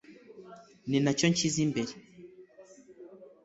ni nacyo nshyize imbere